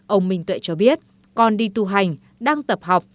ông minh tuệ cho biết con đi tu hành đang tập học